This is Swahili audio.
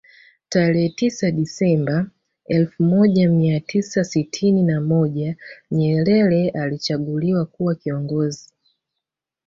Tarehe tisa desamba elfu moja mia tisa sitini na moja Nyerere alichaguliwa kuwa kiongozi